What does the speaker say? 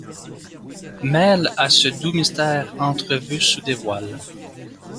Mêle à ce doux mystère entrevu sous des voiles